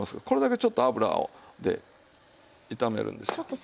これだけちょっと油で炒めるんですよ。